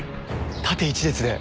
縦一列で。